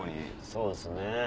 そうですね。